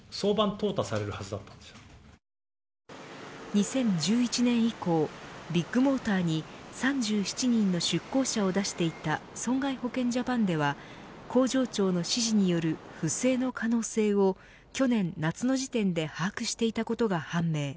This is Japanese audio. ２０１１年以降ビッグモーターに３７人の出向者を出していた損害保険ジャパンでは工場長の指示による不正の可能性を去年夏の時点で把握していたことが判明。